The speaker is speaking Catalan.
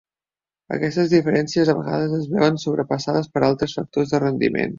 Aquestes diferències a vegades es veuen sobrepassades per altres factors de rendiment.